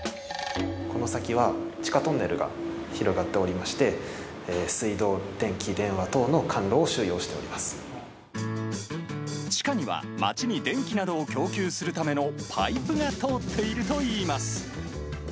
この先は地下トンネルが広がっておりまして、水道、電気、地下には、街に電気などを供給するためのパイプが通っているといいます。